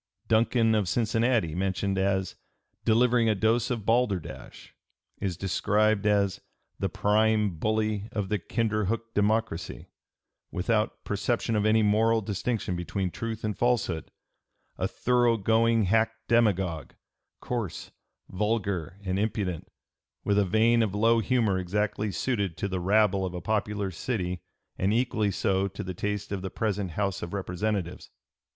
299) Duncan, of Cincinnati, mentioned as "delivering a dose of balderdash," is described as "the prime bully of the Kinderhook Democracy," without "perception of any moral distinction between truth and falsehood, ... a thorough going hack demagogue, coarse, vulgar, and impudent, with a vein of low humor exactly suited to the rabble of a popular city and equally so to the taste of the present House of Representatives."